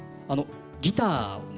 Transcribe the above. ギターをね